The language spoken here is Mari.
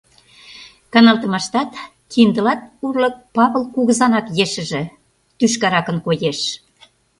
Каналтымаштат Киндылат урлык Павыл кугызанак ешыже тӱшкаракын коеш.